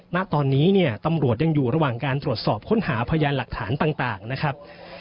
ณตอนนี้เนี่ยตำรวจยังอยู่ระหว่างการตรวจสอบค้นหาพยานหลักฐานต่างนะครับ